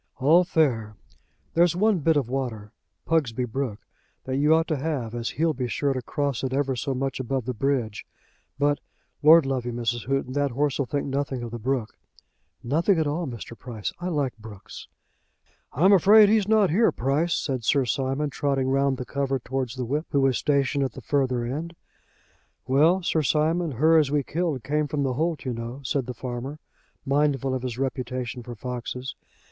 "All fair. There's one bit of water, Pugsby Brook, that you ought to have as he'll be sure to cross it ever so much above the bridge. But, lord love you, Mrs. Houghton, that horse'll think nothing of the brook." "Nothing at all, Mr. Price. I like brooks." "I'm afraid he's not here, Price," said Sir Simon, trotting round the cover towards the whip, who was stationed at the further end. "Well, Sir Simon, her as we killed came from the holt, you know," said the farmer, mindful of his reputation for foxes.